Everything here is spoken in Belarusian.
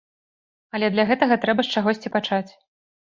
Але для гэтага трэба з чагосьці пачаць!